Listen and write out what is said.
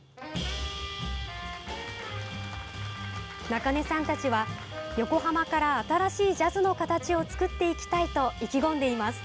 中根さんたちは横浜から新しいジャズの形を作っていきたいと意気込んでいます。